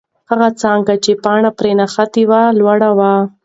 هغه څانګه چې پاڼه پرې نښتې وه، لوړه وه.